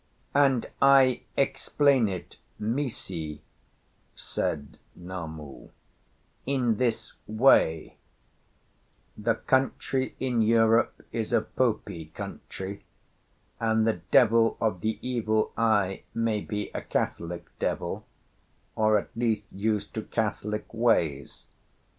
"'And I explain it, Misi,' said Namu, 'in this way: The country in Europe is a Popey country, and the devil of the Evil Eye may be a Catholic devil, or, at least, used to Catholic ways.